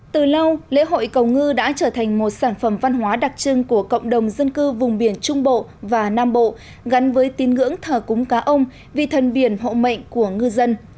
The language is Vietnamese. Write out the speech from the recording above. từ lâu lễ hội cầu ngư đã trở thành một sản phẩm văn hóa đặc trưng của cộng đồng dân cư vùng biển trung bộ và nam bộ gắn với tín ngưỡng thờ cúng cá ông vì thần biển hộ mệnh của ngư dân